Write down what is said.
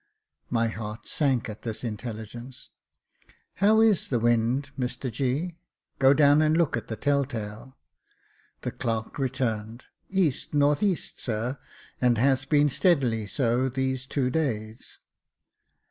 My heart sank at this intelligence. " How is the wind, Mr G ? Go down and look at the tell tale." The clerk returned. "E.N.E., sir, and has been steadily so these two days."